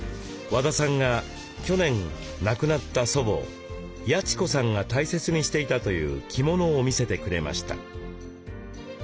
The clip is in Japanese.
和田さんが去年亡くなった祖母八千子さんが大切にしていたという着物を見せてくれました。